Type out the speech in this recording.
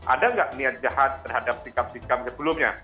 ada nggak niat jahat terhadap sikap sikap sebelumnya